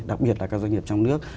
đặc biệt là các doanh nghiệp trong nước